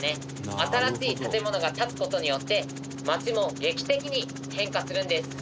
新しい建物が建つ事によって街も劇的に変化するんです。